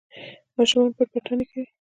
ماشومان پټ پټانې کوي.